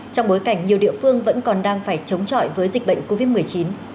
trong bối cảnh nhiều địa phương vẫn còn đang phải chống chọi với dịch bệnh covid một mươi chín